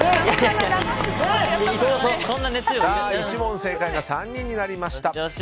１問正解が３人になりました。